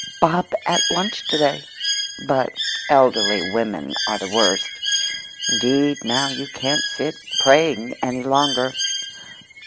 "Bob at lunch to day"—But elderly women are the worst. Indeed now you can't sit praying any longer.